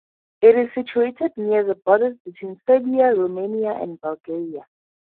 It is situated near the borders between Serbia, Romania and Bulgaria.